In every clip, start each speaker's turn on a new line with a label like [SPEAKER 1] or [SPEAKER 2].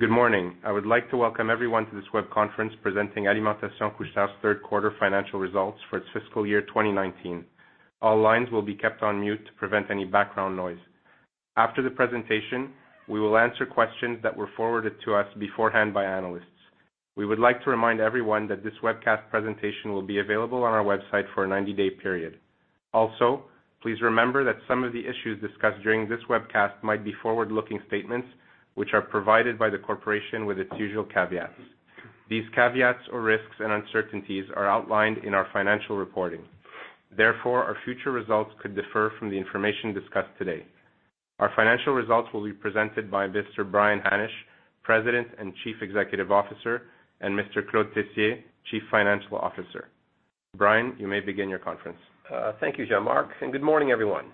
[SPEAKER 1] Good morning. I would like to welcome everyone to this web conference presenting Alimentation Couche-Tard's third quarter financial results for its fiscal year 2019. All lines will be kept on mute to prevent any background noise. After the presentation, we will answer questions that were forwarded to us beforehand by analysts. We would like to remind everyone that this webcast presentation will be available on our website for a 90-day period. Also, please remember that some of the issues discussed during this webcast might be forward-looking statements, which are provided by the corporation with its usual caveats. These caveats or risks and uncertainties are outlined in our financial reporting. Therefore, our future results could differ from the information discussed today. Our financial results will be presented by Mr. Brian Hannasch, President and Chief Executive Officer, and Mr. Claude Tessier, Chief Financial Officer. Brian, you may begin your conference.
[SPEAKER 2] Thank you, Jean-Marc, and good morning, everyone.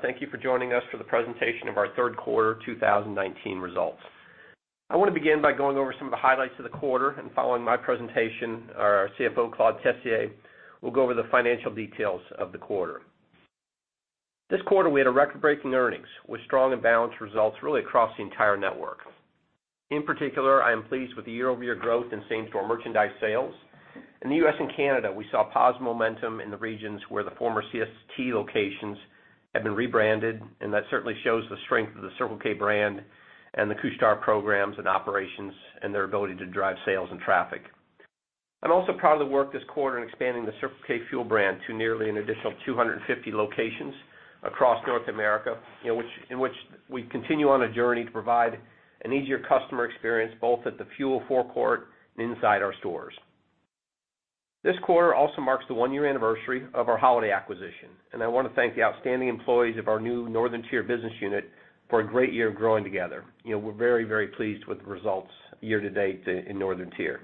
[SPEAKER 2] Thank you for joining us for the presentation of our third quarter 2019 results. I want to begin by going over some of the highlights of the quarter. Following my presentation, our CFO, Claude Tessier, will go over the financial details of the quarter. This quarter, we had record-breaking earnings with strong and balanced results really across the entire network. In particular, I am pleased with the year-over-year growth in same-store merchandise sales. In the U.S. and Canada, we saw positive momentum in the regions where the former CST locations have been rebranded. That certainly shows the strength of the Circle K brand and the Couche-Tard programs and operations and their ability to drive sales and traffic. I am also proud of the work this quarter in expanding the Circle K fuel brand to nearly an additional 250 locations across North America, in which we continue on a journey to provide an easier customer experience, both at the fuel forecourt and inside our stores. This quarter also marks the one-year anniversary of our Holiday acquisition. I want to thank the outstanding employees of our new Northern Tier business unit for a great year of growing together. We are very, very pleased with the results year-to-date in Northern Tier.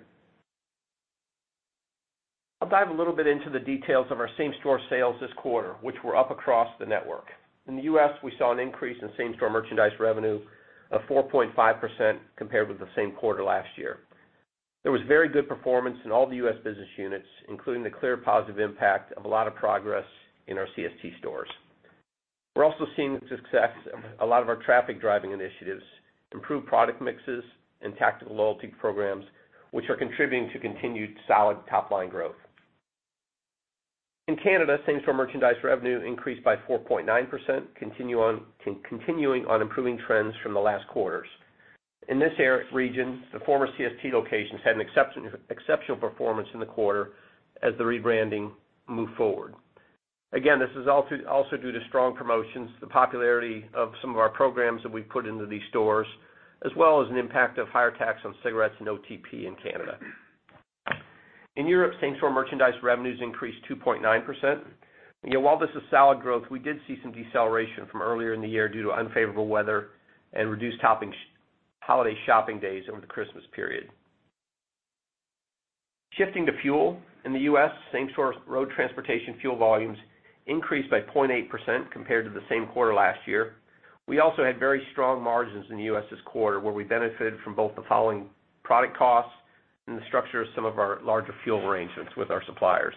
[SPEAKER 2] I will dive a little bit into the details of our same-store sales this quarter, which were up across the network. In the U.S., we saw an increase in same-store merchandise revenue of 4.5% compared with the same quarter last year. There was very good performance in all the U.S. business units, including the clear positive impact of a lot of progress in our CST stores. We are also seeing the success of a lot of our traffic-driving initiatives, improved product mixes, and tactical loyalty programs, which are contributing to continued solid top-line growth. In Canada, same-store merchandise revenue increased by 4.9%, continuing on improving trends from the last quarters. In this region, the former CST locations had an exceptional performance in the quarter as the rebranding moved forward. Again, this is also due to strong promotions, the popularity of some of our programs that we have put into these stores, as well as an impact of higher tax on cigarettes and OTP in Canada. In Europe, same-store merchandise revenues increased 2.9%. While this is solid growth, we did see some deceleration from earlier in the year due to unfavorable weather and reduced Holiday shopping days over the Christmas period. Shifting to fuel. In the U.S., same-store road transportation fuel volumes increased by 0.8% compared to the same quarter last year. We also had very strong margins in the U.S. this quarter, where we benefited from both the falling product costs and the structure of some of our larger fuel arrangements with our suppliers.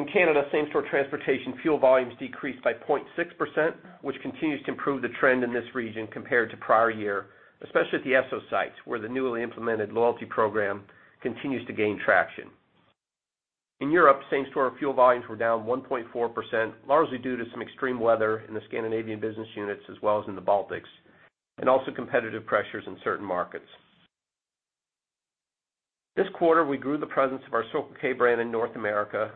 [SPEAKER 2] In Canada, same-store transportation fuel volumes decreased by 0.6%, which continues to improve the trend in this region compared to prior year, especially at the Esso sites, where the newly implemented loyalty program continues to gain traction. In Europe, same-store fuel volumes were down 1.4%, largely due to some extreme weather in the Scandinavian business units as well as in the Baltics, also competitive pressures in certain markets. This quarter, we grew the presence of our Circle K brand in North America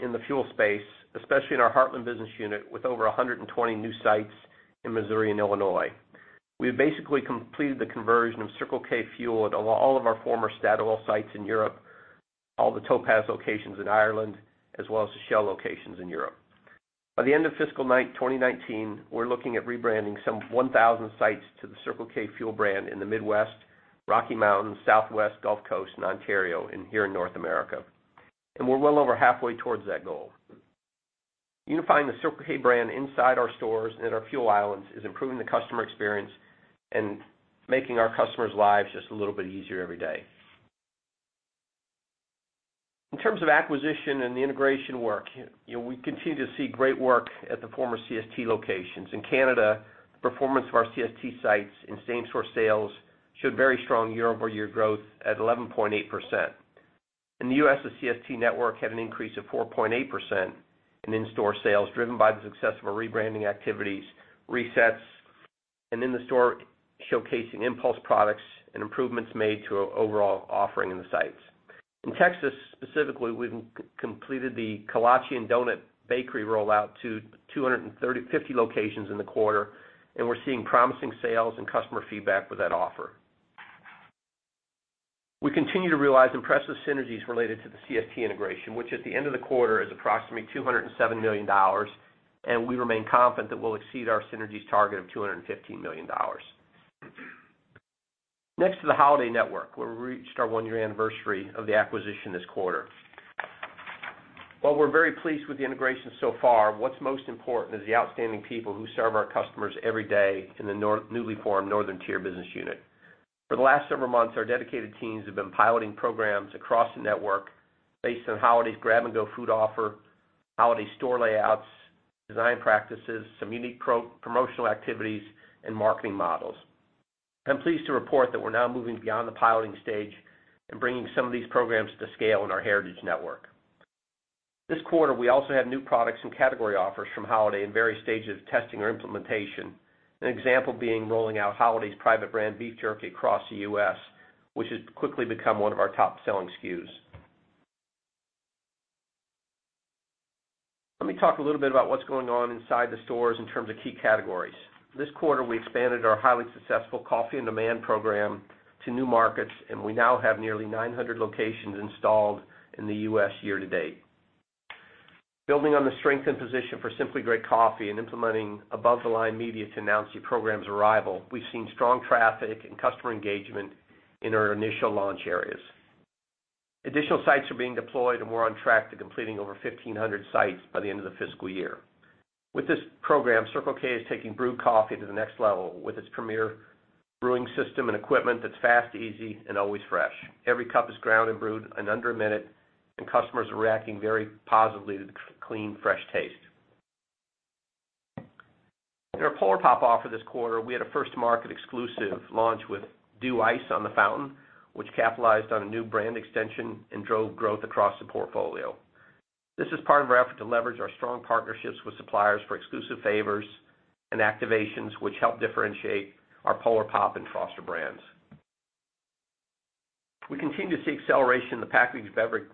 [SPEAKER 2] in the fuel space, especially in our Heartland business unit, with over 120 new sites in Missouri and Illinois. We have basically completed the conversion of Circle K fuel at all of our former Statoil sites in Europe, all the Topaz locations in Ireland, as well as the Shell locations in Europe. By the end of fiscal 2019, we're looking at rebranding some 1,000 sites to the Circle K fuel brand in the Midwest, Rocky Mountains, Southwest, Gulf Coast, and Ontario here in North America. We're well over halfway towards that goal. Unifying the Circle K brand inside our stores and in our fuel islands is improving the customer experience and making our customers' lives just a little bit easier every day. In terms of acquisition and the integration work, we continue to see great work at the former CST locations. In Canada, the performance of our CST sites in same-store sales showed very strong year-over-year growth at 11.8%. In the U.S., the CST network had an increase of 4.8% in in-store sales, driven by the success of our rebranding activities, resets, and in the store showcasing impulse products and improvements made to our overall offering in the sites. In Texas, specifically, we completed the kolache and donut bakery rollout to 250 locations in the quarter. We're seeing promising sales and customer feedback with that offer. We continue to realize impressive synergies related to the CST integration, which at the end of the quarter is approximately 207 million dollars. We remain confident that we'll exceed our synergies target of 215 million dollars. Next to the Holiday network, where we reached our one-year anniversary of the acquisition this quarter. While we're very pleased with the integration so far, what's most important is the outstanding people who serve our customers every day in the newly formed Northern Tier business unit. For the last several months, our dedicated teams have been piloting programs across the network based on Holiday's grab-and-go food offer, Holiday store layouts, design practices, some unique promotional activities, and marketing models. I'm pleased to report that we're now moving beyond the piloting stage and bringing some of these programs to scale in our heritage network. This quarter, we also had new products and category offers from Holiday in various stages of testing or implementation, an example being rolling out Holiday's private brand beef jerky across the U.S., which has quickly become one of our top-selling SKUs. Let me talk a little bit about what's going on inside the stores in terms of key categories. This quarter, we expanded our highly successful Coffee On Demand program to new markets, and we now have nearly 900 locations installed in the U.S. year to date. Building on the strength and position for Simply Great Coffee and implementing above-the-line media to announce the program's arrival, we've seen strong traffic and customer engagement in our initial launch areas. Additional sites are being deployed, and we're on track to completing over 1,500 sites by the end of the fiscal year. With this program, Circle K is taking brew coffee to the next level with its premier brewing system and equipment that's fast, easy, and always fresh. Every cup is ground and brewed in under one minute, and customers are reacting very positively to the clean, fresh taste. In our Polar Pop offer this quarter, we had a first-market exclusive launch with Dew Ice on the fountain, which capitalized on a new brand extension and drove growth across the portfolio. This is part of our effort to leverage our strong partnerships with suppliers for exclusive favors and activations, which help differentiate our Polar Pop and Froster brands. We continue to see acceleration in the packaged beverage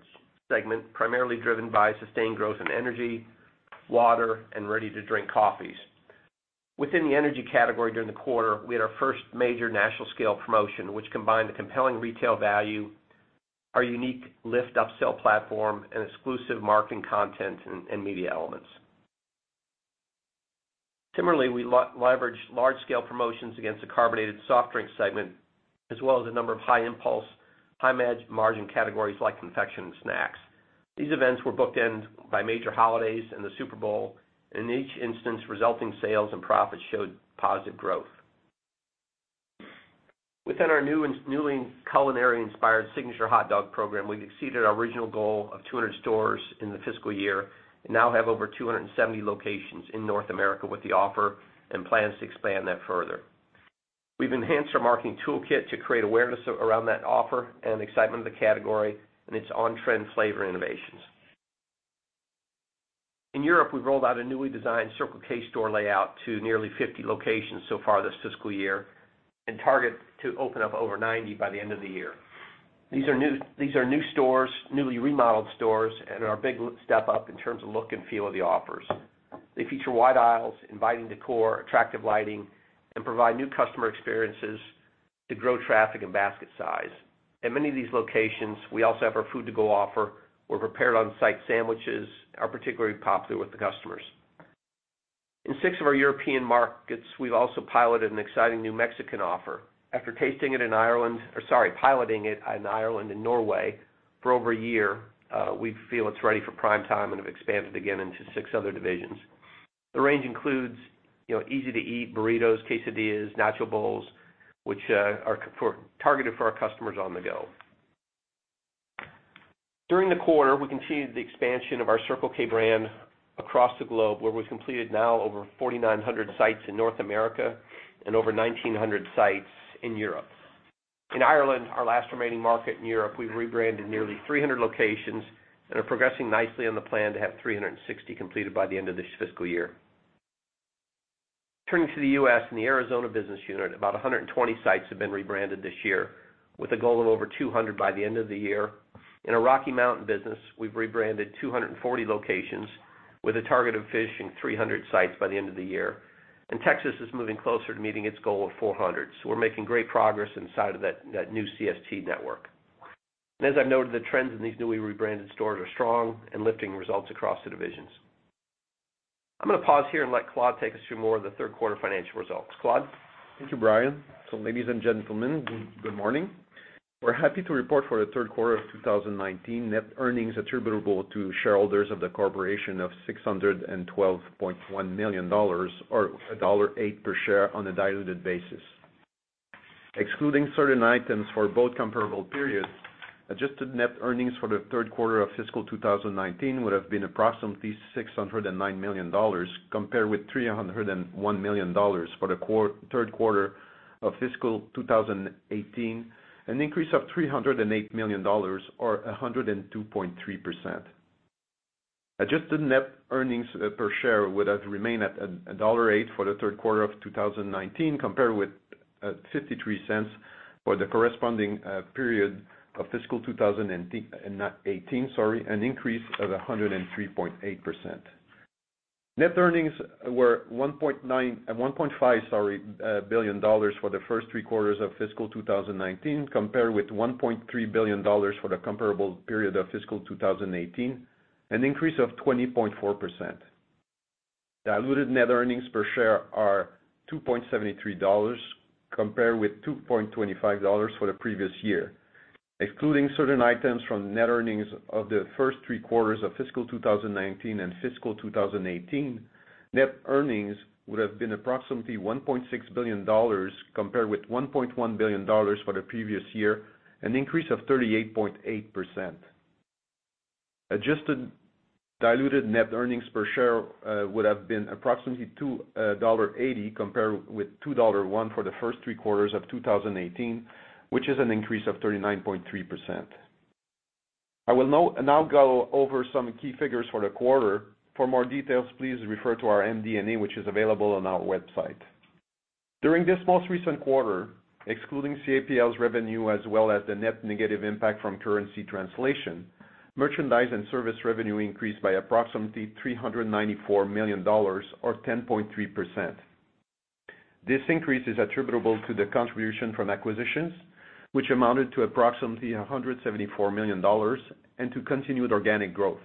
[SPEAKER 2] segment, primarily driven by sustained growth in energy, water, and ready-to-drink coffees. Within the energy category during the quarter, we had our first major national-scale promotion, which combined the compelling retail value, our unique LIFT upsell platform, and exclusive marketing content and media elements. Similarly, we leveraged large-scale promotions against the carbonated soft drink segment, as well as a number of high-impulse, high-margin categories like confection and snacks. These events were bookended by major holidays and the Super Bowl, and in each instance, resulting sales and profits showed positive growth. Within our newly culinary-inspired signature hot dog program, we've exceeded our original goal of 200 stores in the fiscal year and now have over 270 locations in North America with the offer and plans to expand that further. We've enhanced our marketing toolkit to create awareness around that offer and excitement of the category and its on-trend flavor innovations. In Europe, we've rolled out a newly designed Circle K store layout to nearly 50 locations so far this fiscal year and target to open up over 90 by the end of the year. These are new stores, newly remodeled stores, and are a big step up in terms of look and feel of the offers. They feature wide aisles, inviting decor, attractive lighting, and provide new customer experiences to grow traffic and basket size. In many of these locations, we also have our food to go offer, where prepared on-site sandwiches are particularly popular with the customers. In six of our European markets, we've also piloted an exciting new Mexican offer. After piloting it in Ireland and Norway for over a year, we feel it's ready for prime time and have expanded again into six other divisions. The range includes easy-to-eat burritos, quesadillas, nacho bowls, which are targeted for our customers on the go. During the quarter, we continued the expansion of our Circle K brand across the globe, where we've completed now over 4,900 sites in North America and over 1,900 sites in Europe. In Ireland, our last remaining market in Europe, we've rebranded nearly 300 locations and are progressing nicely on the plan to have 360 completed by the end of this fiscal year. Turning to the U.S. and the Arizona business unit, about 120 sites have been rebranded this year with a goal of over 200 by the end of the year. In our Rocky Mountain business, we've rebranded 240 locations with a target of finishing 300 sites by the end of the year. Texas is moving closer to meeting its goal of 400. We're making great progress inside of that new CST network. As I've noted, the trends in these newly rebranded stores are strong and lifting results across the divisions. I'm going to pause here and let Claude take us through more of the third quarter financial results. Claude?
[SPEAKER 3] Thank you, Brian. Ladies and gentlemen, good morning. We're happy to report for the third quarter of 2019, net earnings attributable to shareholders of the corporation of 612.1 million dollars, or dollar 1.08 per share on a diluted basis. Excluding certain items for both comparable periods, adjusted net earnings for the third quarter of fiscal 2019 would have been approximately 609 million dollars, compared with 301 million dollars for the third quarter of fiscal 2018, an increase of 308 million dollars, or 102.3%. Adjusted net earnings per share would have remained at CAD 1.08 for the third quarter of 2019, compared with 0.53 for the corresponding period of fiscal 2018, an increase of 103.8%. Net earnings were 1.5 billion dollars for the first three quarters of fiscal 2019, compared with 1.3 billion dollars for the comparable period of fiscal 2018, an increase of 20.4%. Diluted net earnings per share are 2.73 dollars, compared with 2.25 dollars for the previous year. Excluding certain items from net earnings of the first three quarters of fiscal 2019 and fiscal 2018, net earnings would've been approximately 1.6 billion dollars, compared with 1.1 billion dollars for the previous year, an increase of 38.8%. Adjusted diluted net earnings per share would have been approximately 2.80 dollar, compared with 2.1 dollar for the first three quarters of 2018, which is an increase of 39.3%. I will now go over some key figures for the quarter. For more details, please refer to our MD&A, which is available on our website. During this most recent quarter, excluding CAPL's revenue as well as the net negative impact from currency translation, merchandise and service revenue increased by approximately 394 million dollars or 10.3%. This increase is attributable to the contribution from acquisitions, which amounted to approximately 174 million dollars and to continued organic growth.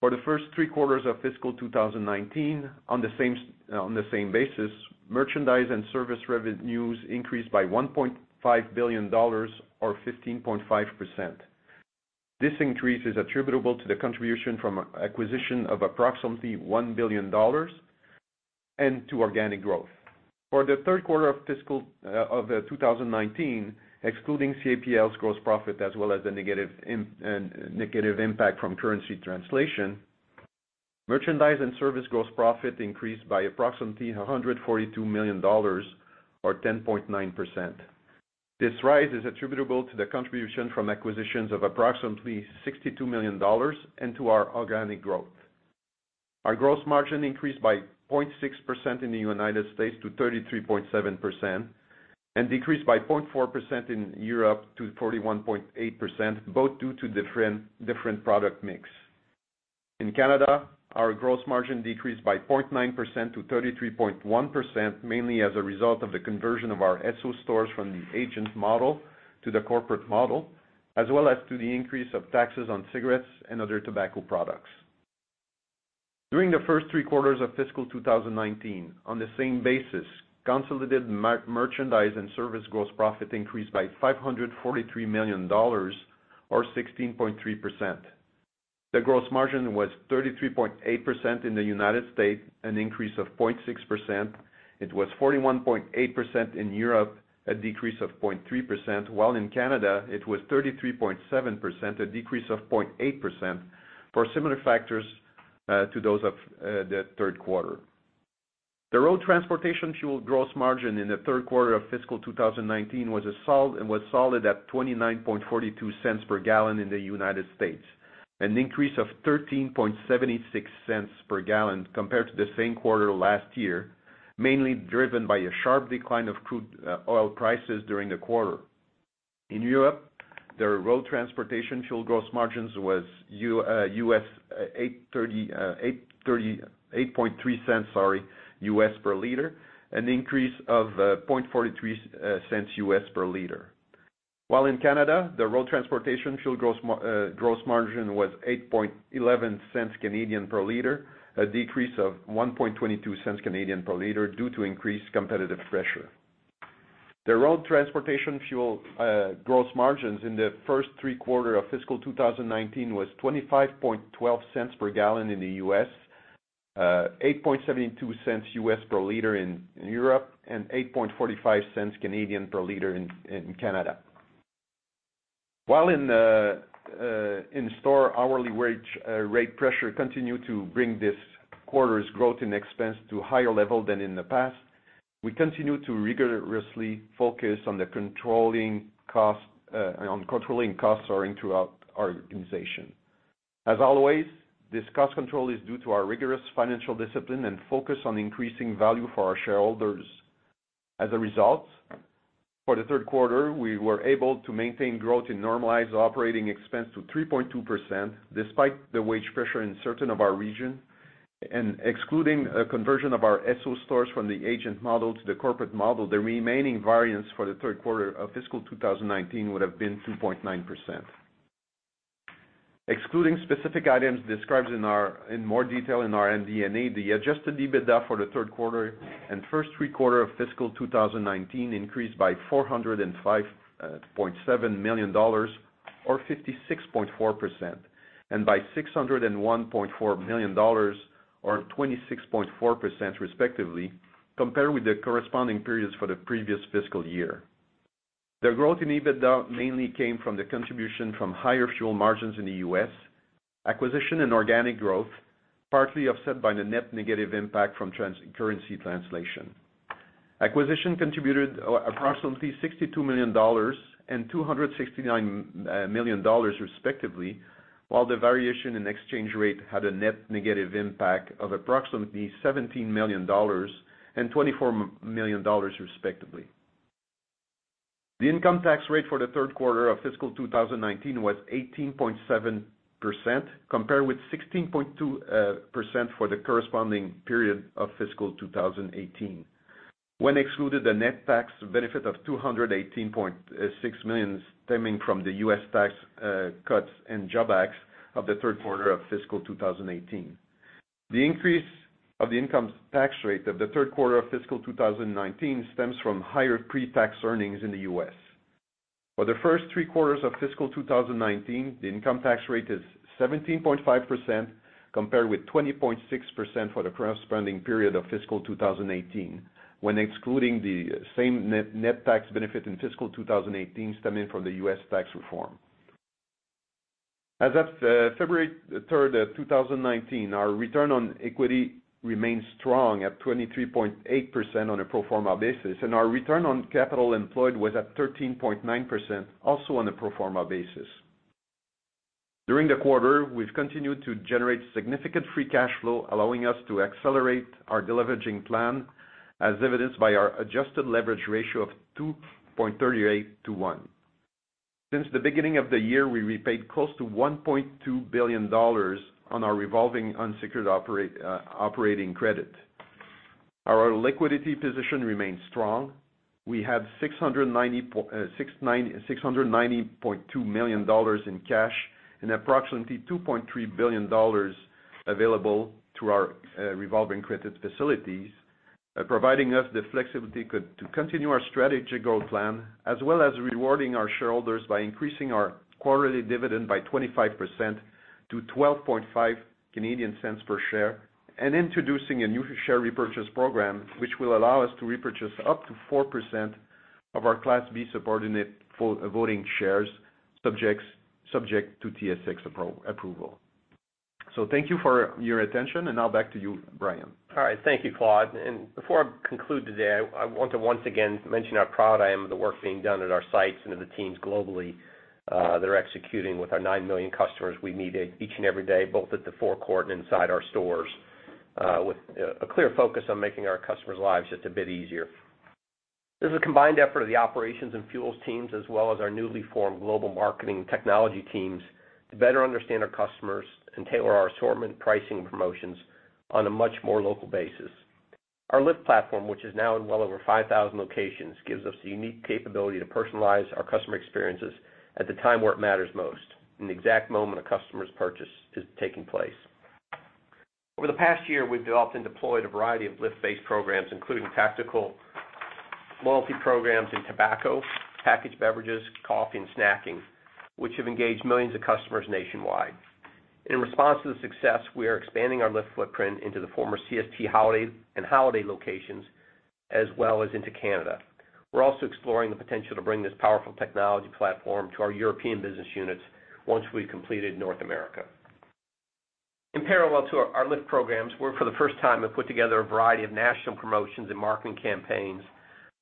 [SPEAKER 3] For the first three quarters of fiscal 2019, on the same basis, merchandise and service revenues increased by 1.5 billion dollars or 15.5%. This increase is attributable to the contribution from acquisition of approximately 1 billion dollars and to organic growth. For the third quarter of 2019, excluding CAPL's gross profit as well as the negative impact from currency translation, merchandise and service gross profit increased by approximately 142 million dollars or 10.9%. This rise is attributable to the contribution from acquisitions of approximately 62 million dollars and to our organic growth. Our gross margin increased by 0.6% in the U.S. to 33.7% and decreased by 0.4% in Europe to 41.8%, both due to different product mix. In Canada, our gross margin decreased by 0.9% to 33.1%, mainly as a result of the conversion of our Esso stores from the agent model to the corporate model, as well as to the increase of taxes on cigarettes and other tobacco products. During the first three quarters of fiscal 2019, on the same basis, consolidated merchandise and service gross profit increased by 543 million dollars or 16.3%. The gross margin was 33.8% in the U.S., an increase of 0.6%. It was 41.8% in Europe, a decrease of 0.3%, while in Canada it was 33.7%, a decrease of 0.8% for similar factors to those of the third quarter. The road transportation fuel gross margin in the third quarter of fiscal 2019 was solid at $0.2942 per gallon in the U.S., an increase of $0.1376 per gallon compared to the same quarter last year, mainly driven by a sharp decline of crude oil prices during the quarter. In Europe, the road transportation fuel gross margins was $0.083 per liter, an increase of $0.0043 per liter. While in Canada, the road transportation fuel gross margin was 0.0811 per liter, a decrease of 0.0122 per liter due to increased competitive pressure. The road transportation fuel gross margins in the first three quarter of fiscal 2019 was $0.2512 per gallon in the U.S., $0.0872 per liter in Europe and 0.0845 per liter in Canada. While in store hourly wage rate pressure continued to bring this quarter's growth and expense to a higher level than in the past, we continue to rigorously focus on controlling costs throughout our organization. As always, this cost control is due to our rigorous financial discipline and focus on increasing value for our shareholders. As a result, for the third quarter, we were able to maintain growth in normalized operating expense to 3.2% despite the wage pressure in certain of our region and excluding a conversion of our Esso stores from the agent model to the corporate model, the remaining variance for the third quarter of fiscal 2019 would've been 2.9%. Excluding specific items described in more detail in our MD&A, the adjusted EBITDA for the third quarter and first three quarter of fiscal 2019 increased by CAD 405.7 million or 56.4%, and by CAD 601.4 million or 26.4% respectively, compared with the corresponding periods for the previous fiscal year. The growth in EBITDA mainly came from the contribution from higher fuel margins in the U.S., acquisition and organic growth, partly offset by the net negative impact from currency translation. Acquisition contributed approximately 62 million dollars and 269 million dollars respectively, while the variation in exchange rate had a net negative impact of approximately 17 million dollars and 24 million dollars respectively. The income tax rate for the third quarter of fiscal 2019 was 18.7% compared with 16.2% for the corresponding period of fiscal 2018. When excluded, the net tax benefit of 218.6 million stemming from the U.S. Tax Cuts and Jobs Act of the third quarter of fiscal 2018. The increase of the income tax rate of the third quarter of fiscal 2019 stems from higher pre-tax earnings in the U.S. For the first three quarters of fiscal 2019, the income tax rate is 17.5%, compared with 20.6% for the corresponding period of fiscal 2018, when excluding the same net tax benefit in fiscal 2018 stemming from the U.S. tax reform. As of February 3rd, 2019, our return on equity remains strong at 23.8% on a pro forma basis, and our return on capital employed was at 13.9%, also on a pro forma basis. During the quarter, we've continued to generate significant free cash flow, allowing us to accelerate our deleveraging plan, as evidenced by our adjusted leverage ratio of 2.38:1. Since the beginning of the year, we repaid close to 1.2 billion dollars on our revolving unsecured operating credit. Our liquidity position remains strong. We have 690.2 million dollars in cash and approximately 2.3 billion dollars available through our revolving credit facilities, providing us the flexibility to continue our strategic growth plan, as well as rewarding our shareholders by increasing our quarterly dividend by 25% to 0.125 per share, and introducing a new share repurchase program, which will allow us to repurchase up to 4% of our Class B subordinate voting shares, subject to TSX approval. Thank you for your attention. Now back to you, Brian.
[SPEAKER 2] All right. Thank you, Claude. Before I conclude today, I want to once again mention how proud I am of the work being done at our sites and of the teams globally that are executing with our 9 million customers we meet each and every day, both at the forecourt and inside our stores, with a clear focus on making our customers' lives just a bit easier. This is a combined effort of the operations and fuels teams, as well as our newly formed global marketing technology teams, to better understand our customers and tailor our assortment, pricing, and promotions on a much more local basis. Our LIFT platform, which is now in well over 5,000 locations, gives us the unique capability to personalize our customer experiences at the time where it matters most, in the exact moment a customer's purchase is taking place. Over the past year, we've developed and deployed a variety of LIFT-based programs, including tactical loyalty programs in tobacco, packaged beverages, coffee, and snacking, which have engaged millions of customers nationwide. In response to the success, we are expanding our LIFT footprint into the former CST and Holiday locations, as well as into Canada. We're also exploring the potential to bring this powerful technology platform to our European business units once we've completed North America. In parallel to our LIFT programs, we're for the first time have put together a variety of national promotions and marketing campaigns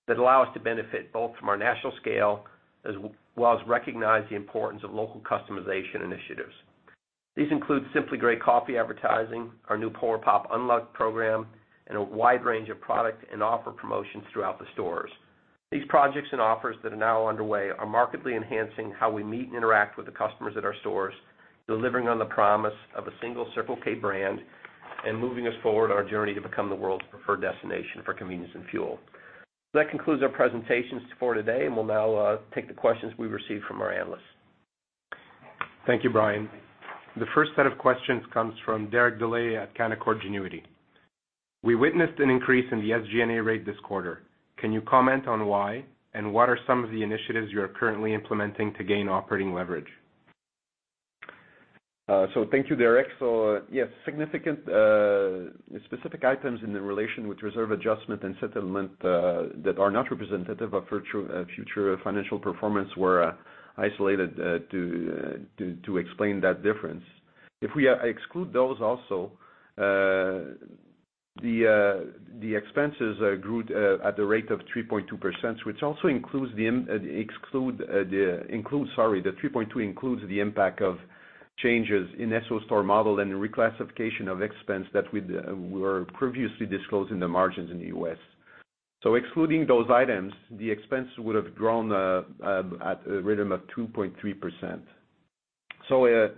[SPEAKER 2] that allow us to benefit both from our national scale, as well as recognize the importance of local customization initiatives. These include Simply Great Coffee advertising, our new Polar Pop Unlock program, and a wide range of product and offer promotions throughout the stores. These projects and offers that are now underway are markedly enhancing how we meet and interact with the customers at our stores, delivering on the promise of a single Circle K brand and moving us forward on our journey to become the world's preferred destination for convenience and fuel. That concludes our presentations for today, and we'll now take the questions we've received from our analysts.
[SPEAKER 1] Thank you, Brian. The first set of questions comes from Derek Dley at Canaccord Genuity. We witnessed an increase in the SG&A rate this quarter. Can you comment on why, and what are some of the initiatives you are currently implementing to gain operating leverage?
[SPEAKER 3] Thank you, Derek. Yes, specific items in the relation with reserve adjustment and settlement that are not representative of future financial performance were isolated to explain that difference. If we exclude those also, the expenses grew at the rate of 3.2%, which also includes the 3.2% includes the impact of changes in Esso store model and reclassification of expense that we were previously disclosing the margins in the U.S. Excluding those items, the expense would have grown at a rhythm of 2.3%.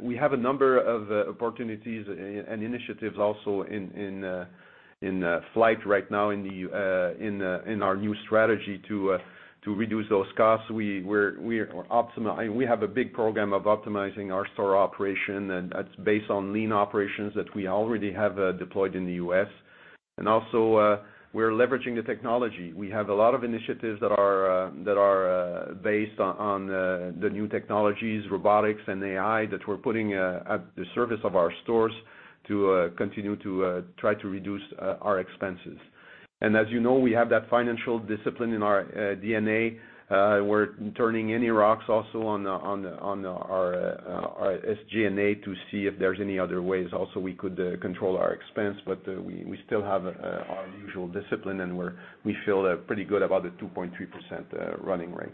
[SPEAKER 3] We have a number of opportunities and initiatives also in flight right now in our new strategy to reduce those costs. We have a big program of optimizing our store operation, and that's based on lean operations that we already have deployed in the U.S. Also, we're leveraging the technology. We have a lot of initiatives that are based on the new technologies, robotics, and AI that we're putting at the service of our stores to continue to try to reduce our expenses. As you know, we have that financial discipline in our DNA. We're turning any rocks also on our SG&A to see if there's any other ways also we could control our expense, we still have our usual discipline, and we feel pretty good about the 2.3% running rate.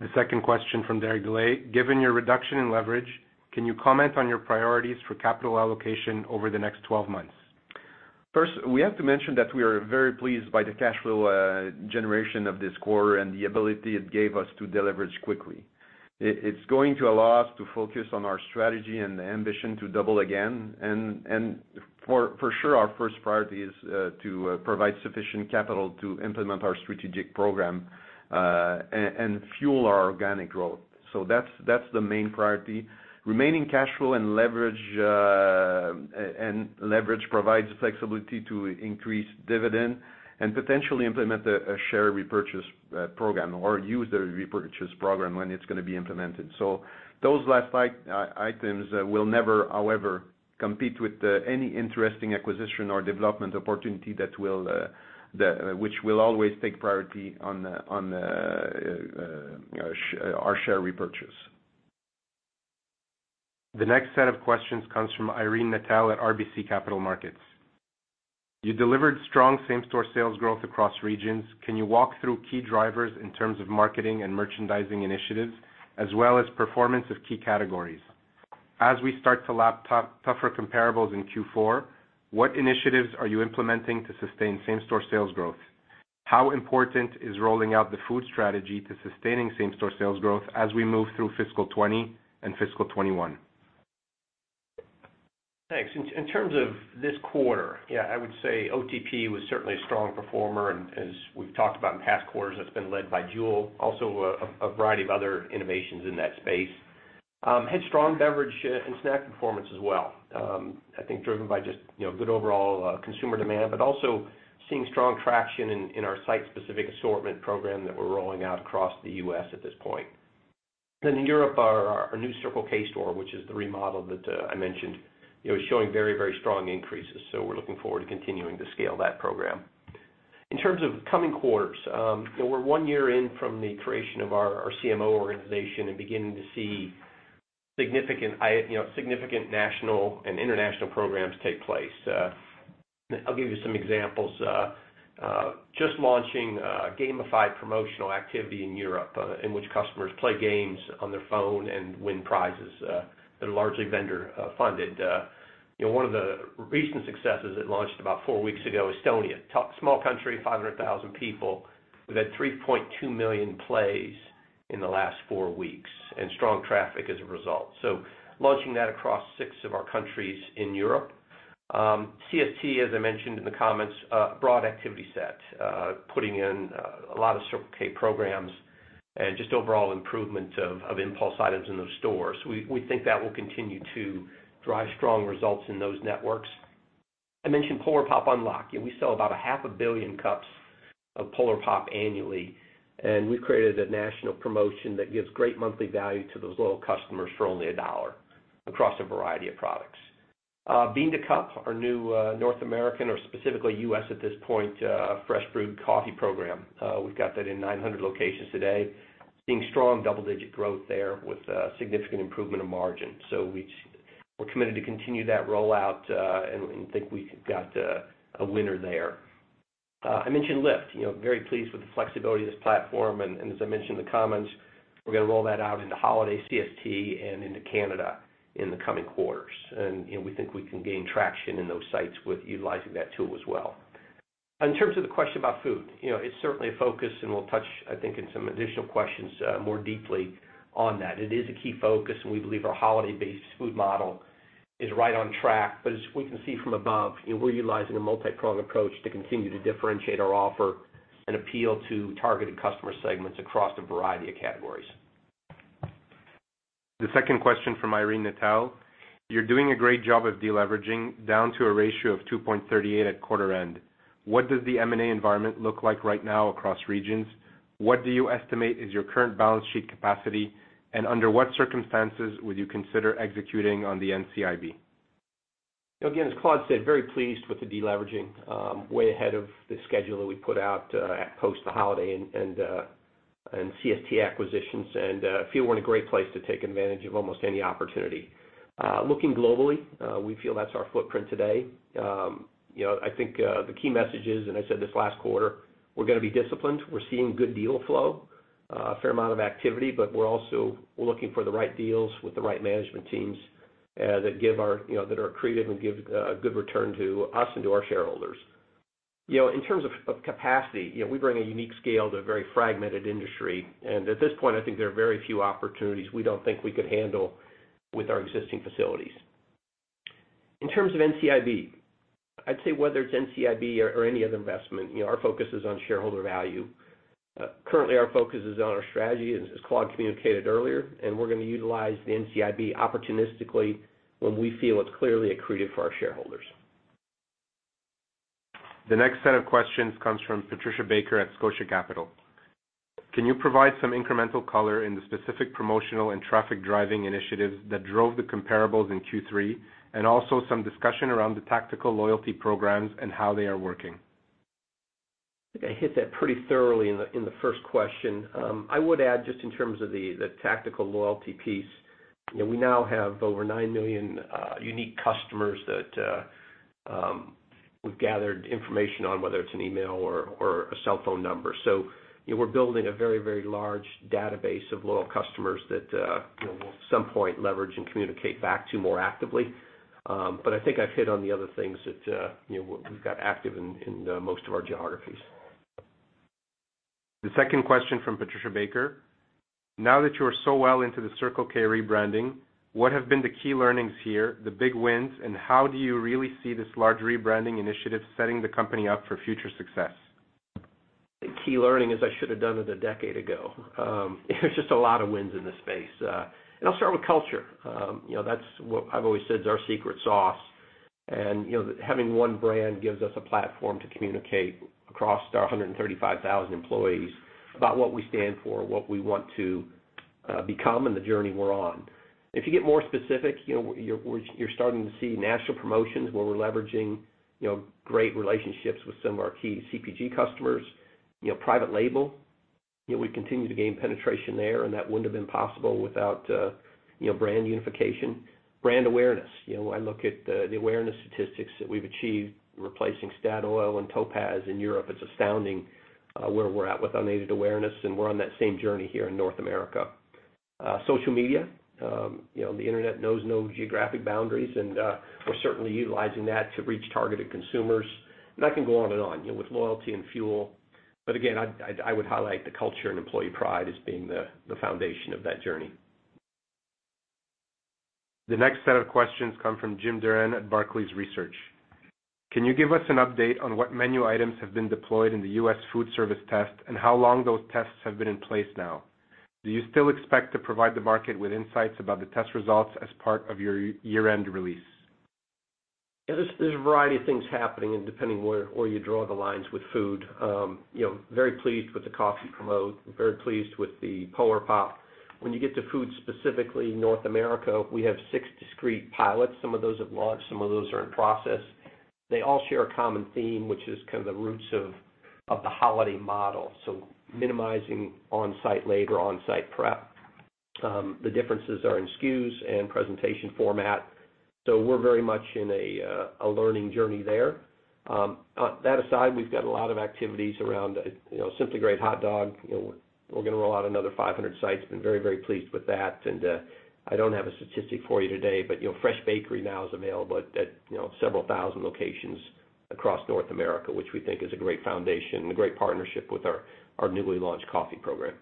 [SPEAKER 1] The second question from Derek Dley. Given your reduction in leverage, can you comment on your priorities for capital allocation over the next 12 months?
[SPEAKER 3] First, we have to mention that we are very pleased by the cash flow generation of this quarter and the ability it gave us to deleverage quickly. It's going to allow us to focus on our strategy and the ambition to double again. For sure, our first priority is to provide sufficient capital to implement our strategic program, and fuel our organic growth. That's the main priority. Remaining cash flow and leverage provides flexibility to increase dividend and potentially implement a share repurchase program or use the repurchase program when it's going to be implemented. Those last items will never, however, compete with any interesting acquisition or development opportunity which will always take priority on our share repurchase.
[SPEAKER 1] The next set of questions comes from Irene Nattel at RBC Capital Markets. You delivered strong same-store sales growth across regions. Can you walk through key drivers in terms of marketing and merchandising initiatives, as well as performance of key categories? As we start to lap tougher comparables in Q4, what initiatives are you implementing to sustain same-store sales growth? How important is rolling out the food strategy to sustaining same-store sales growth as we move through fiscal 2020 and fiscal 2021?
[SPEAKER 2] Thanks. In terms of this quarter, yeah, I would say OTP was certainly a strong performer, and as we've talked about in past quarters, that's been led by JUUL, also a variety of other innovations in that space. Had strong beverage and snack performance as well, I think driven by just good overall consumer demand, but also seeing strong traction in our site-specific assortment program that we're rolling out across the U.S. at this point. In Europe, our new Circle K store, which is the remodel that I mentioned, is showing very strong increases. We're looking forward to continuing to scale that program. In terms of coming quarters, we're one year in from the creation of our CMO organization and beginning to see significant national and international programs take place. I'll give you some examples. Just launching a gamified promotional activity in Europe, in which customers play games on their phone and win prizes. They're largely vendor-funded. One of the recent successes it launched about four weeks ago, Estonia. Small country, 500,000 people, who've had 3.2 million plays in the last four weeks, and strong traffic as a result. Launching that across six of our countries in Europe. CST, as I mentioned in the comments, a broad activity set, putting in a lot of Circle K programs and just overall improvement of impulse items in those stores. We think that will continue to drive strong results in those networks. I mentioned Polar Pop Unlock. We sell about a half a billion cups of Polar Pop annually, and we've created a national promotion that gives great monthly value to those loyal customers for only CAD 1 across a variety of products. Bean to Cup, our new North American, or specifically U.S. at this point, fresh brewed coffee program. We've got that in 900 locations today. Seeing strong double-digit growth there with significant improvement of margin. We're committed to continue that rollout, and think we've got a winner there. I mentioned LIFT, very pleased with the flexibility of this platform, and as I mentioned in the comments, we're going to roll that out into Holiday CST and into Canada in the coming quarters. We think we can gain traction in those sites with utilizing that tool as well. In terms of the question about food. It's certainly a focus, and we'll touch, I think, in some additional questions more deeply on that. It is a key focus, and we believe our Holiday-based food model is right on track. As we can see from above, we're utilizing a multi-pronged approach to continue to differentiate our offer and appeal to targeted customer segments across a variety of categories.
[SPEAKER 1] The second question from Irene Nattel. You are doing a great job of deleveraging down to a ratio of 2.38 at quarter end. What does the M&A environment look like right now across regions? What do you estimate is your current balance sheet capacity, and under what circumstances would you consider executing on the NCIB?
[SPEAKER 2] Again, as Claude said, very pleased with the deleveraging. Way ahead of the schedule that we put out post the Holiday and CST acquisitions, and feel we are in a great place to take advantage of almost any opportunity. Looking globally, we feel that is our footprint today. I think, the key message is, and I said this last quarter, we are going to be disciplined. We are seeing good deal flow, a fair amount of activity, but we are also looking for the right deals with the right management teams that are accretive and give a good return to us and to our shareholders. In terms of capacity, we bring a unique scale to a very fragmented industry. At this point, I think there are very few opportunities we do not think we could handle with our existing facilities. In terms of NCIB, I would say whether it is NCIB or any other investment, our focus is on shareholder value. Currently, our focus is on our strategy, as Claude communicated earlier, and we are going to utilize the NCIB opportunistically when we feel it is clearly accretive for our shareholders.
[SPEAKER 1] The next set of questions comes from Patricia Baker at Scotia Capital. Can you provide some incremental color in the specific promotional and traffic-driving initiatives that drove the comparables in Q3, and also some discussion around the tactical loyalty programs and how they are working?
[SPEAKER 2] I think I hit that pretty thoroughly in the first question. I would add, just in terms of the tactical loyalty piece, we now have over 9 million unique customers that we've gathered information on, whether it's an email or a cell phone number. We're building a very large database of loyal customers that we'll at some point leverage and communicate back to more actively. I think I've hit on the other things that we've got active in most of our geographies.
[SPEAKER 1] The second question from Patricia Baker: Now that you are so well into the Circle K rebranding, what have been the key learnings here, the big wins, and how do you really see this large rebranding initiative setting the company up for future success?
[SPEAKER 2] The key learning is I should have done it a decade ago. There's just a lot of wins in this space. I'll start with culture. That's what I've always said is our secret sauce. Having one brand gives us a platform to communicate across our 135,000 employees about what we stand for, what we want to become, and the journey we're on. If you get more specific, you're starting to see national promotions where we're leveraging great relationships with some of our key CPG customers. Private label, we continue to gain penetration there, and that wouldn't have been possible without brand unification. Brand awareness. I look at the awareness statistics that we've achieved replacing Statoil and Topaz in Europe. It's astounding where we're at with unaided awareness, and we're on that same journey here in North America. Social media. The internet knows no geographic boundaries, we're certainly utilizing that to reach targeted consumers. I can go on and on, with loyalty and fuel. Again, I would highlight the culture and employee pride as being the foundation of that journey.
[SPEAKER 1] The next set of questions come from Jim Durran at Barclays Research. Can you give us an update on what menu items have been deployed in the U.S. food service test, and how long those tests have been in place now? Do you still expect to provide the market with insights about the test results as part of your year-end release?
[SPEAKER 2] There's a variety of things happening, depending where you draw the lines with food. Very pleased with the coffee promote. Very pleased with the Polar Pop. When you get to food specifically in North America, we have six discrete pilots. Some of those have launched, some of those are in process. They all share a common theme, which is kind of the roots of the Holiday model, so minimizing on-site labor, on-site prep. The differences are in SKUs and presentation format. We're very much in a learning journey there. That aside, we've got a lot of activities around Simply Great Hot Dog. We're going to roll out another 500 sites. Been very, very pleased with that. I don't have a statistic for you today, but fresh bakery now is available at several thousand locations across North America, which we think is a great foundation and a great partnership with our newly launched coffee program.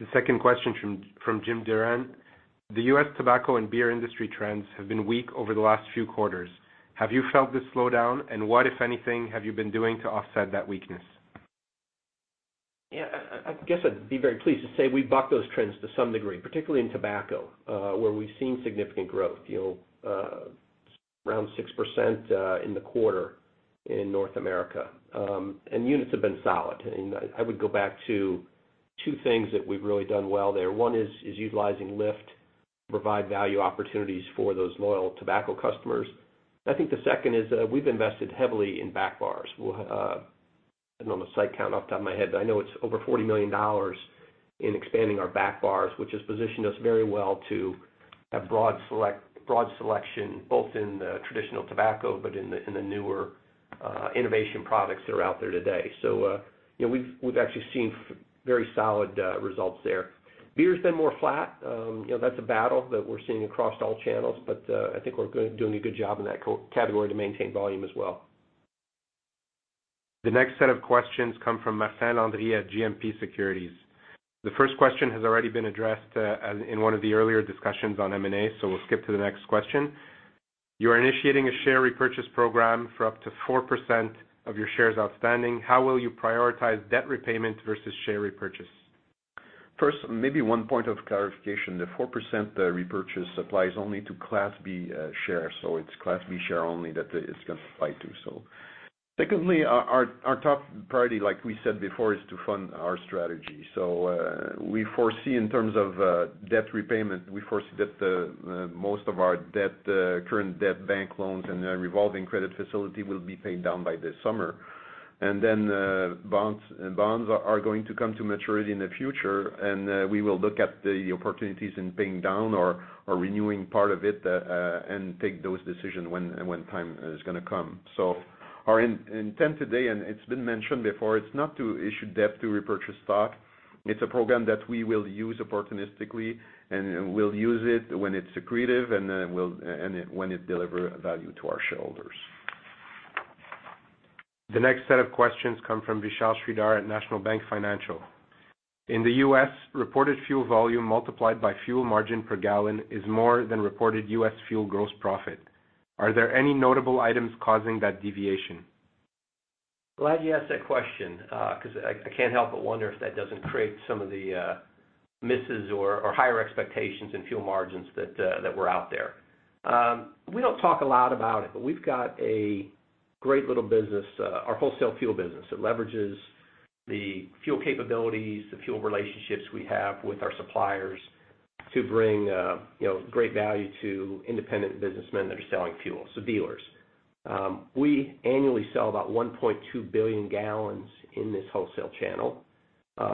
[SPEAKER 1] The second question from Jim Durran: The U.S. tobacco and beer industry trends have been weak over the last few quarters. Have you felt this slowdown? What, if anything, have you been doing to offset that weakness?
[SPEAKER 2] I guess I'd be very pleased to say we bucked those trends to some degree, particularly in tobacco, where we've seen significant growth. Around 6% in the quarter in North America. Units have been solid. I would go back to two things that we've really done well there. One is utilizing LIFT, provide value opportunities for those loyal tobacco customers. I think the second is that we've invested heavily in back bars. I don't know the site count off the top of my head, but I know it's over 40 million dollars in expanding our back bars, which has positioned us very well to have broad selection, both in the traditional tobacco, but in the newer innovation products that are out there today. We've actually seen very solid results there. Beer's been more flat. That's a battle that we're seeing across all channels, I think we're doing a good job in that category to maintain volume as well.
[SPEAKER 1] The next set of questions come from Martin Landry at GMP Securities. The first question has already been addressed in one of the earlier discussions on M&A, we'll skip to the next question. You are initiating a share repurchase program for up to 4% of your shares outstanding. How will you prioritize debt repayment versus share repurchase?
[SPEAKER 3] First, maybe one point of clarification. The 4% repurchase applies only to Class B shares, it's Class B share only that it's going to apply to. Secondly, our top priority, like we said before, is to fund our strategy. We foresee in terms of debt repayment, we foresee that the most of our current debt, bank loans, and the revolving credit facility will be paid down by this summer. Then bonds are going to come to maturity in the future, we will look at the opportunities in paying down or renewing part of it, take those decision when time is going to come. Our intent today, it's been mentioned before, it's not to issue debt to repurchase stock. It's a program that we will use opportunistically, we'll use it when it's accretive when it deliver value to our shareholders.
[SPEAKER 1] The next set of questions come from Vishal Shreedhar at National Bank Financial. In the U.S., reported fuel volume multiplied by fuel margin per gallon is more than reported U.S. fuel gross profit. Are there any notable items causing that deviation?
[SPEAKER 2] Glad you asked that question. I can't help but wonder if that doesn't create some of the misses or higher expectations in fuel margins that were out there. We don't talk a lot about it. We've got a great little business, our wholesale fuel business. It leverages the fuel capabilities, the fuel relationships we have with our suppliers to bring great value to independent businessmen that are selling fuel, so dealers. We annually sell about 1.2 billion gallons in this wholesale channel.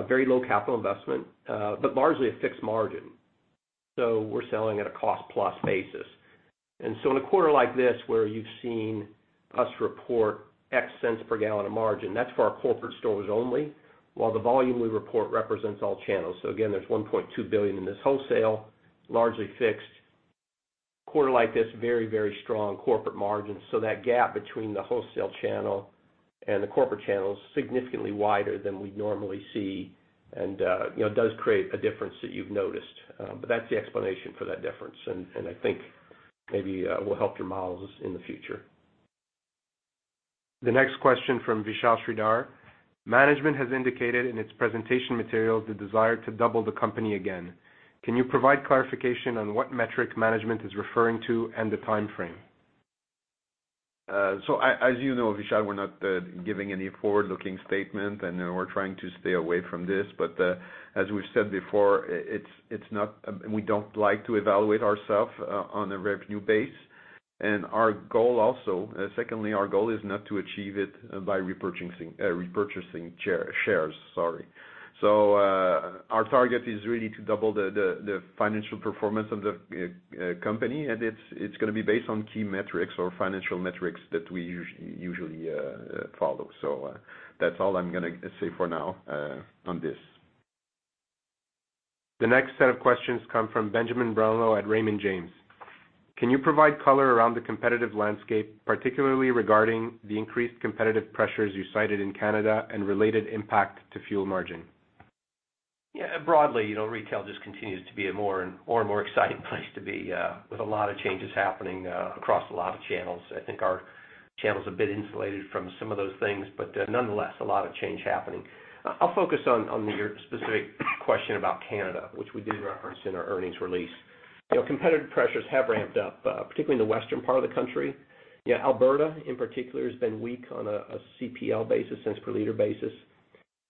[SPEAKER 2] Very low capital investment, largely a fixed margin. We're selling at a cost-plus basis. In a quarter like this, where you've seen us report X cents per gallon of margin, that's for our corporate stores only, while the volume we report represents all channels. Again, there's 1.2 billion in this wholesale, largely fixed quarter like this, very, very strong corporate margins. That gap between the wholesale channel and the corporate channel is significantly wider than we normally see and does create a difference that you've noticed. That's the explanation for that difference, and I think maybe will help your models in the future.
[SPEAKER 1] The next question from Vishal Shreedhar. Management has indicated in its presentation materials the desire to double the company again. Can you provide clarification on what metric management is referring to and the timeframe?
[SPEAKER 3] As you know, Vishal, we're not giving any forward-looking statement, and we're trying to stay away from this. As we've said before, we don't like to evaluate ourselves on a revenue base. Secondly, our goal is not to achieve it by repurchasing shares. Our target is really to double the financial performance of the company, and it's going to be based on key metrics or financial metrics that we usually follow. That's all I'm going to say for now on this.
[SPEAKER 1] The next set of questions come from Benjamin Brownlow at Raymond James. Can you provide color around the competitive landscape, particularly regarding the increased competitive pressures you cited in Canada and related impact to fuel margin?
[SPEAKER 2] Broadly, retail just continues to be a more and more exciting place to be, with a lot of changes happening across a lot of channels. I think our channel's a bit insulated from some of those things, but nonetheless, a lot of change happening. I'll focus on your specific question about Canada, which we did reference in our earnings release. Competitive pressures have ramped up, particularly in the western part of the country. Alberta in particular, has been weak on a CPL basis, cents per liter basis.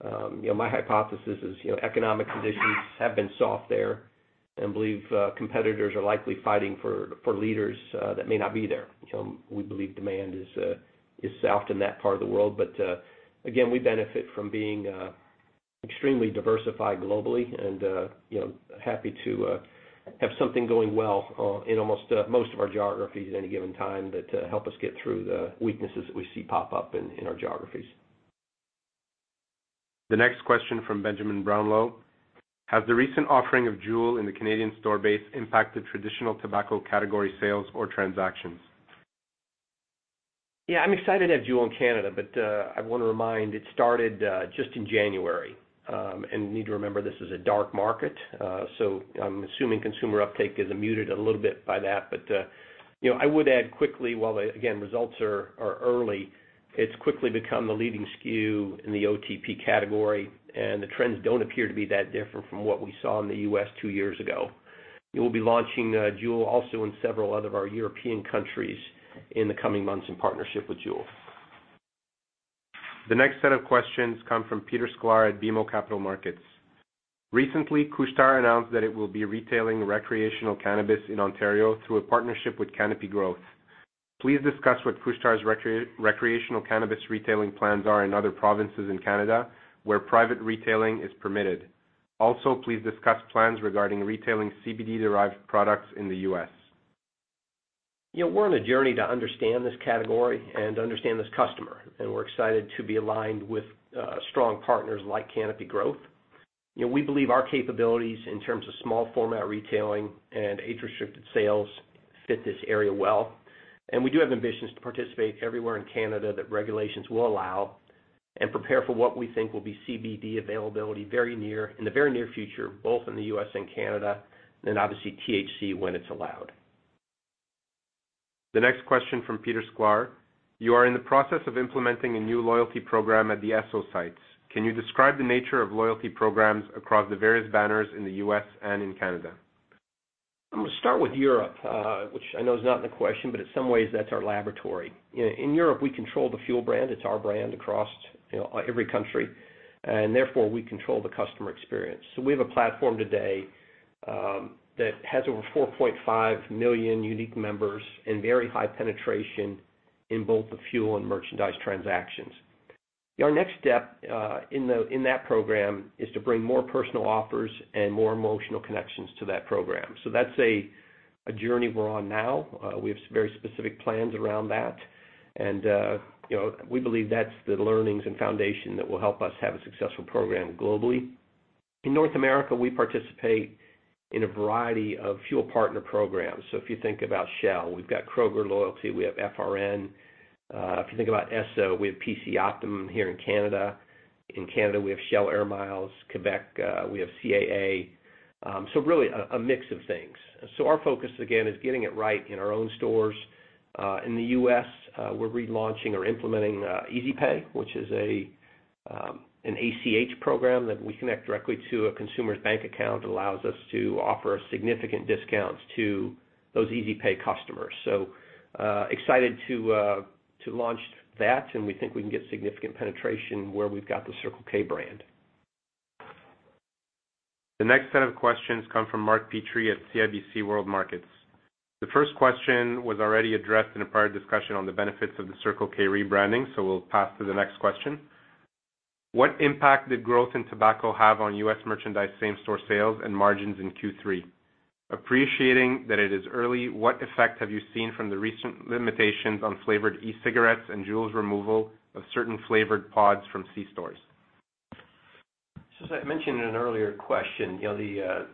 [SPEAKER 2] My hypothesis is economic conditions have been soft there, and believe competitors are likely fighting for liters that may not be there. We believe demand is soft in that part of the world. Again, we benefit from being extremely diversified globally, and happy to have something going well in almost most of our geographies at any given time that help us get through the weaknesses that we see pop up in our geographies.
[SPEAKER 1] The next question from Benjamin Brownlow. Has the recent offering of JUUL in the Canadian store base impacted traditional tobacco category sales or transactions?
[SPEAKER 2] Yeah, I'm excited to have JUUL in Canada, but I want to remind, it started just in January. Need to remember this is a dark market, I'm assuming consumer uptake is muted a little bit by that. I would add quickly, while again, results are early, it's quickly become the leading SKU in the OTP category. The trends don't appear to be that different from what we saw in the U.S. two years ago. We will be launching JUUL also in several other of our European countries in the coming months in partnership with JUUL.
[SPEAKER 1] The next set of questions come from Peter Sklar at BMO Capital Markets. Recently, Couche-Tard announced that it will be retailing recreational cannabis in Ontario through a partnership with Canopy Growth. Please discuss what Couche-Tard's recreational cannabis retailing plans are in other provinces in Canada where private retailing is permitted. Also, please discuss plans regarding retailing CBD-derived products in the U.S.
[SPEAKER 2] We're on a journey to understand this category and understand this customer. We're excited to be aligned with strong partners like Canopy Growth. We believe our capabilities in terms of small format retailing and age-restricted sales fit this area well. We do have ambitions to participate everywhere in Canada that regulations will allow and prepare for what we think will be CBD availability in the very near future, both in the U.S. and Canada, and obviously THC when it's allowed.
[SPEAKER 1] The next question from Peter Sklar. You are in the process of implementing a new loyalty program at the Esso sites. Can you describe the nature of loyalty programs across the various banners in the U.S. and in Canada?
[SPEAKER 2] I'm going to start with Europe, which I know is not in the question, but in some ways, that's our laboratory. In Europe, we control the fuel brand. It's our brand across every country, and therefore we control the customer experience. We have a platform today that has over 4.5 million unique members and very high penetration in both the fuel and merchandise transactions. Our next step in that program is to bring more personal offers and more emotional connections to that program. That's a journey we're on now. We have very specific plans around that, and we believe that's the learnings and foundation that will help us have a successful program globally. In North America, we participate in a variety of fuel partner programs. If you think about Shell, we've got Kroger Loyalty, we have FRN. If you think about Esso, we have PC Optimum here in Canada. In Canada, we have Shell AIR MILES. Quebec, we have CAA. Really a mix of things. Our focus again, is getting it right in our own stores. In the U.S., we're relaunching or implementing Easy Pay, which is an ACH program that we connect directly to a consumer's bank account. It allows us to offer significant discounts to those Easy Pay customers. Excited to launch that, and we think we can get significant penetration where we've got the Circle K brand.
[SPEAKER 1] The next set of questions come from Mark Petrie at CIBC Capital Markets. The first question was already addressed in a prior discussion on the benefits of the Circle K rebranding, we'll pass to the next question. What impact did growth in tobacco have on U.S. merchandise same-store sales and margins in Q3? Appreciating that it is early, what effect have you seen from the recent limitations on flavored e-cigarettes and JUUL's removal of certain flavored pods from C stores?
[SPEAKER 2] As I mentioned in an earlier question, the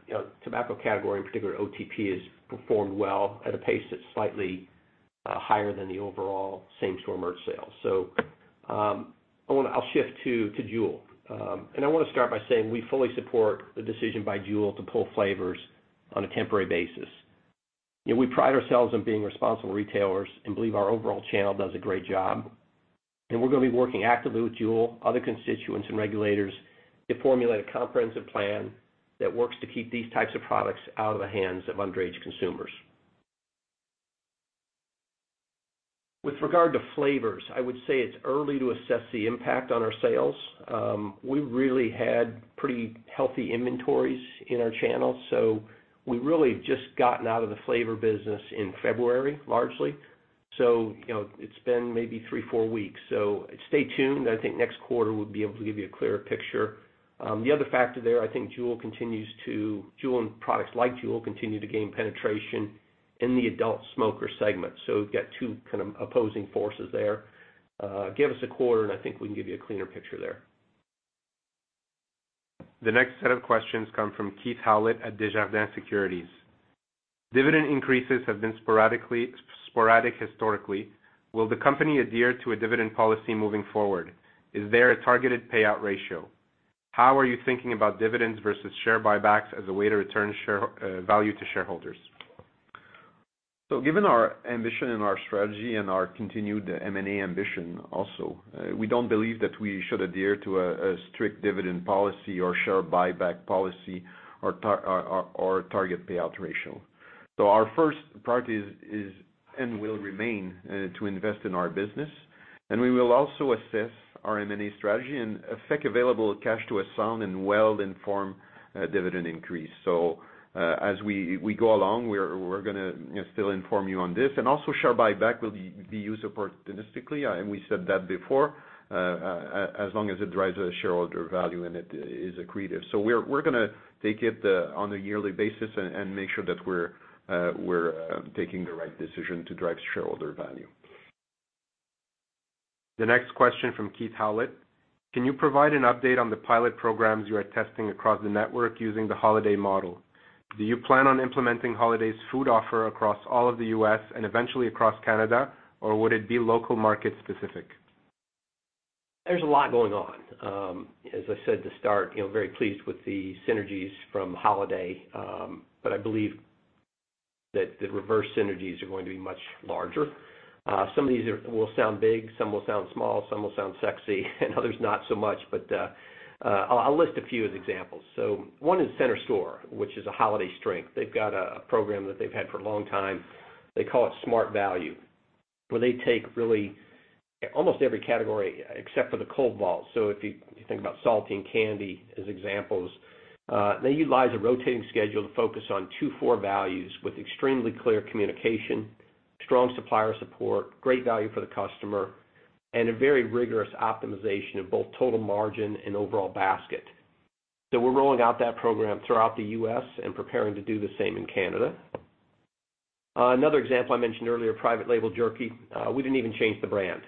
[SPEAKER 2] tobacco category, in particular OTP, has performed well at a pace that's slightly higher than the overall same-store merch sales. I'll shift to JUUL. I want to start by saying we fully support the decision by JUUL to pull flavors on a temporary basis. We pride ourselves on being responsible retailers and believe our overall channel does a great job. We're going to be working actively with JUUL, other constituents and regulators to formulate a comprehensive plan that works to keep these types of products out of the hands of underage consumers. With regard to flavors, I would say it's early to assess the impact on our sales. We really had pretty healthy inventories in our channels, so we really have just gotten out of the flavor business in February, largely. It's been maybe three, four weeks. Stay tuned. I think next quarter we'll be able to give you a clearer picture. The other factor there, I think JUUL and products like JUUL continue to gain penetration in the adult smoker segment. We've got two opposing forces there. Give us a quarter, and I think we can give you a cleaner picture there.
[SPEAKER 1] The next set of questions come from Keith Howlett at Desjardins Securities. Dividend increases have been sporadic historically. Will the company adhere to a dividend policy moving forward? Is there a targeted payout ratio? How are you thinking about dividends versus share buybacks as a way to return value to shareholders?
[SPEAKER 3] Given our ambition and our strategy and our continued M&A ambition also, we don't believe that we should adhere to a strict dividend policy or share buyback policy or target payout ratio. Our first priority is, and will remain, to invest in our business, and we will also assess our M&A strategy and affect available cash to a sound and well-informed dividend increase. As we go along, we're going to still inform you on this. Also share buyback will be used opportunistically, and we said that before, as long as it drives shareholder value and it is accretive. We're going to take it on a yearly basis and make sure that we're taking the right decision to drive shareholder value.
[SPEAKER 1] The next question from Keith Howlett. Can you provide an update on the pilot programs you are testing across the network using the Holiday model? Do you plan on implementing Holiday's food offer across all of the U.S. and eventually across Canada, or would it be local market specific?
[SPEAKER 2] There's a lot going on. As I said to start, very pleased with the synergies from Holiday. I believe that the reverse synergies are going to be much larger. Some of these will sound big, some will sound small, some will sound sexy, and others not so much. I'll list a few as examples. One is center store, which is a Holiday strength. They've got a program that they've had for a long time. They call it Smart Value, where they take really almost every category except for the cold vault. If you think about salty and candy as examples, they utilize a rotating schedule to focus on two core values with extremely clear communication, strong supplier support, great value for the customer, and a very rigorous optimization of both total margin and overall basket. We're rolling out that program throughout the U.S. and preparing to do the same in Canada. Another example I mentioned earlier, private label jerky. We didn't even change the brand.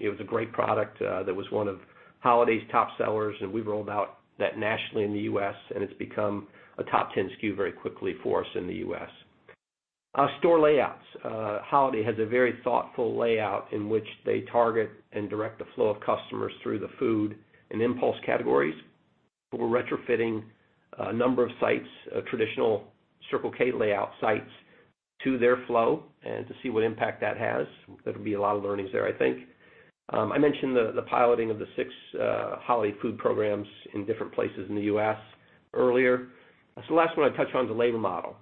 [SPEAKER 2] It was a great product that was one of Holiday's top sellers, and we've rolled out that nationally in the U.S., and it's become a top 10 SKU very quickly for us in the U.S. Store layouts. Holiday has a very thoughtful layout in which they target and direct the flow of customers through the food and impulse categories. We're retrofitting a number of sites, traditional Circle K layout sites, to their flow and to see what impact that has. There'll be a lot of learnings there, I think. I mentioned the piloting of the six Holiday food programs in different places in the U.S. earlier. The last one I touch on is the labor model.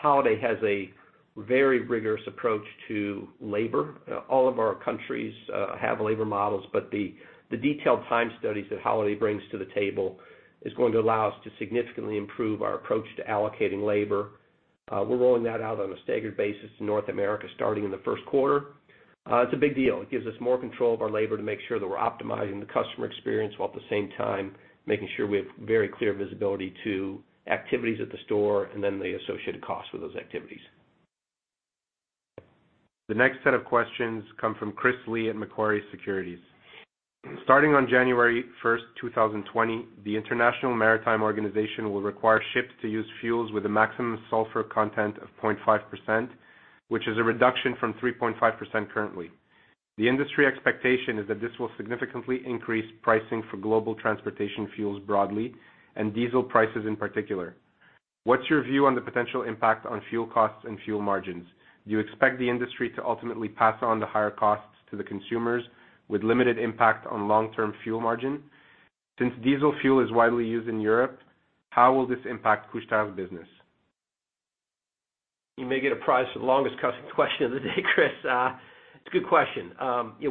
[SPEAKER 2] Holiday has a very rigorous approach to labor. All of our countries have labor models, but the detailed time studies that Holiday brings to the table is going to allow us to significantly improve our approach to allocating labor. We're rolling that out on a staggered basis in North America, starting in the first quarter. It's a big deal. It gives us more control of our labor to make sure that we're optimizing the customer experience, while at the same time making sure we have very clear visibility to activities at the store and then the associated costs with those activities.
[SPEAKER 1] The next set of questions come from Chris Li at Macquarie Securities. Starting on January 1st, 2020, the International Maritime Organization will require ships to use fuels with a maximum sulfur content of 0.5%, which is a reduction from 3.5% currently. The industry expectation is that this will significantly increase pricing for global transportation fuels broadly and diesel prices in particular. What's your view on the potential impact on fuel costs and fuel margins? Do you expect the industry to ultimately pass on the higher costs to the consumers with limited impact on long-term fuel margin? Since diesel fuel is widely used in Europe, how will this impact Couche-Tard's business?
[SPEAKER 2] You may get a prize for the longest question of the day, Chris. It's a good question.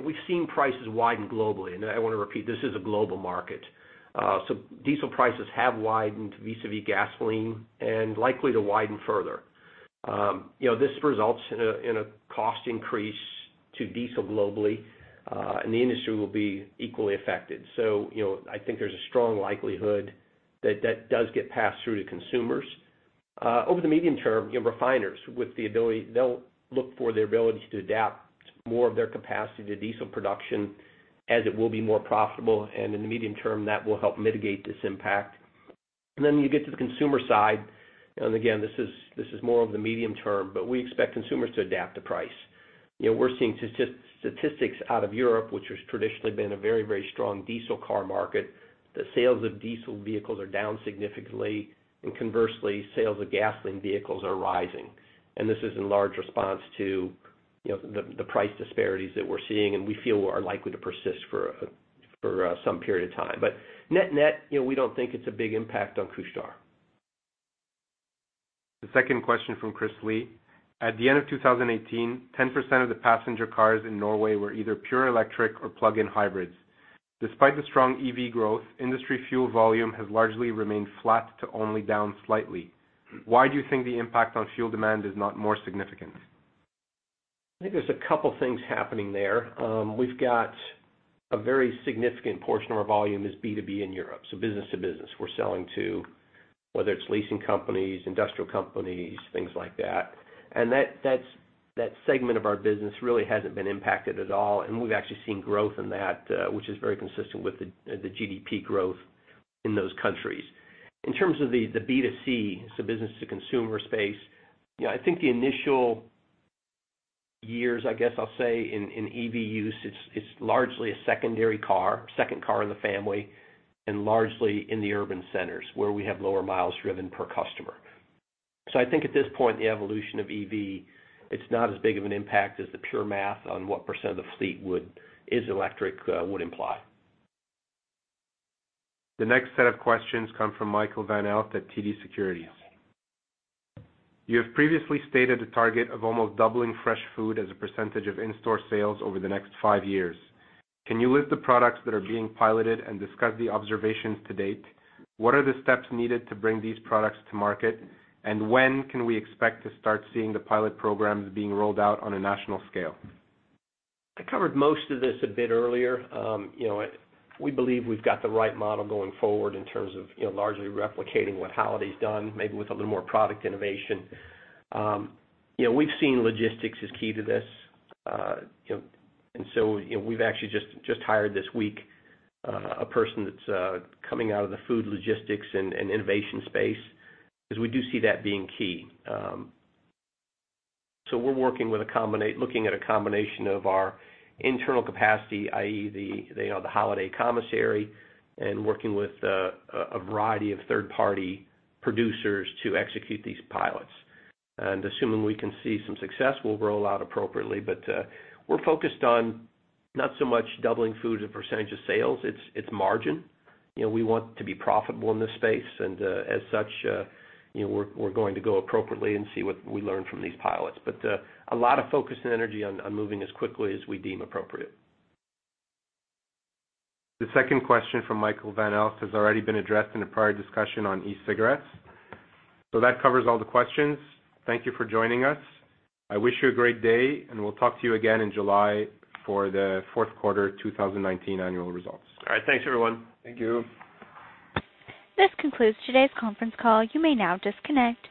[SPEAKER 2] We've seen prices widen globally, and I want to repeat, this is a global market. Diesel prices have widened vis-à-vis gasoline and likely to widen further. This results in a cost increase to diesel globally, and the industry will be equally affected. I think there's a strong likelihood that that does get passed through to consumers. Over the medium term, refiners with the ability, they'll look for the ability to adapt more of their capacity to diesel production as it will be more profitable. In the medium term, that will help mitigate this impact. Then you get to the consumer side, and again, this is more of the medium term, we expect consumers to adapt to price. We're seeing statistics out of Europe, which has traditionally been a very strong diesel car market. The sales of diesel vehicles are down significantly, and conversely, sales of gasoline vehicles are rising. This is in large response to the price disparities that we're seeing, and we feel are likely to persist for some period of time. Net, we don't think it's a big impact on Couche-Tard.
[SPEAKER 1] The second question from Chris Li: at the end of 2018, 10% of the passenger cars in Norway were either pure electric or plug-in hybrids. Despite the strong EV growth, industry fuel volume has largely remained flat to only down slightly. Why do you think the impact on fuel demand is not more significant?
[SPEAKER 2] I think there's a couple things happening there. We've got a very significant portion of our volume is B2B in Europe, so business to business. We're selling to, whether it's leasing companies, industrial companies, things like that. That segment of our business really hasn't been impacted at all, and we've actually seen growth in that, which is very consistent with the GDP growth in those countries. In terms of the B2C, so business to consumer space, I think the initial years, I guess I'll say, in EV use, it's largely a secondary car, second car in the family, and largely in the urban centers where we have lower miles driven per customer. I think at this point, the evolution of EV, it's not as big of an impact as the pure math on what % of the fleet is electric would imply.
[SPEAKER 1] The next set of questions come from Michael Van Aelst at TD Securities. You have previously stated a target of almost doubling fresh food as a % of in-store sales over the next 5 years. Can you list the products that are being piloted and discuss the observations to date? What are the steps needed to bring these products to market, and when can we expect to start seeing the pilot programs being rolled out on a national scale?
[SPEAKER 2] I covered most of this a bit earlier. We believe we've got the right model going forward in terms of largely replicating what Holiday's done, maybe with a little more product innovation. We've seen logistics as key to this. We've actually just hired this week, a person that's coming out of the food logistics and innovation space, because we do see that being key. We're looking at a combination of our internal capacity, i.e., the Holiday commissary, and working with a variety of third-party producers to execute these pilots. Assuming we can see some success, we'll roll out appropriately. We're focused on not so much doubling food as a percentage of sales. It's margin. We want to be profitable in this space, and as such, we're going to go appropriately and see what we learn from these pilots. A lot of focus and energy on moving as quickly as we deem appropriate.
[SPEAKER 1] The second question from Michael Van Aelst has already been addressed in a prior discussion on e-cigarettes. That covers all the questions. Thank you for joining us. I wish you a great day, and we'll talk to you again in July for the fourth quarter 2019 annual results.
[SPEAKER 2] All right. Thanks, everyone.
[SPEAKER 1] Thank you. This concludes today's conference call. You may now disconnect.